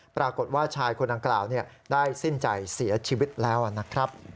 ปรากฏว่าชายคนดังกล่าวได้สิ้นใจเสียชีวิตแล้วนะครับ